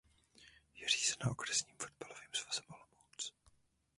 Je řízena Okresním fotbalovým svazem Olomouc.